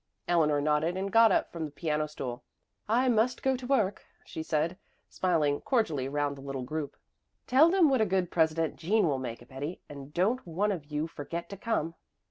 Eleanor nodded and got up from the piano stool. "I must go to work," she said, smiling cordially round the little group. "Tell them what a good president Jean will make, Betty. And don't one of you forget to come."